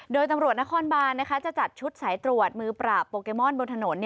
โดยตำรวจนครบานจะจัดชุดสายตรวจมือปราบโปเกมอนบนถนน